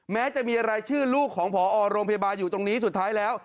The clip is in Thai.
แม้จะมีรายชื่อลูกของพอโรงพยาบาลอยู่ตรงนี้สุดท้ายแล้ว